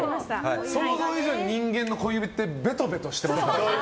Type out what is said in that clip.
想像以上に人間の小指ってべとべとしてますから。